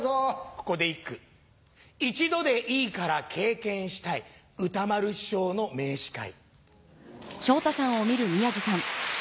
ここで一句一度でいいから経験したい歌丸師匠の名司会。